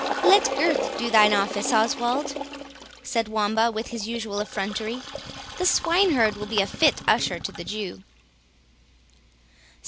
"Let Gurth do thine office, Oswald," said Wamba with his usual effrontery; "the swineherd will be a fit usher to the Jew."